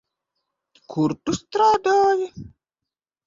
Kur tu strādāji?